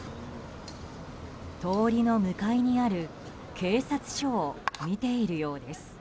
通りの向かいにある警察署を見ているようです。